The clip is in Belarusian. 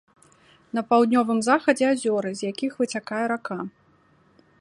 На паўднёвым захадзе азёры, з якіх выцякае рака.